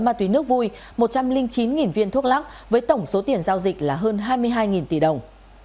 ma túy nước vui một trăm linh chín viên thuốc lắc với tổng số tiền giao dịch là hơn hai mươi hai tỷ đồng